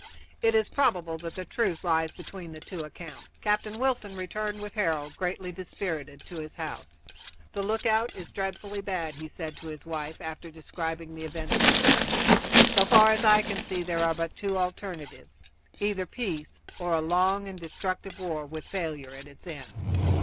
It is probable that the truth lies between the two accounts. Captain Wilson returned with Harold, greatly dispirited, to his house. "The lookout is dreadfully bad," he said to his wife, after describing the events of the day. "So far as I can see there are but two alternatives either peace or a long and destructive war with failure at its end.